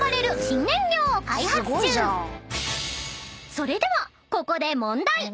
［それではここで］